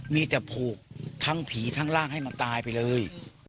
มีแต่ผูกทั้งผีทั้งร่างให้มันตายไปเลย